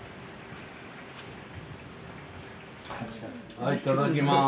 はいいただきまーす。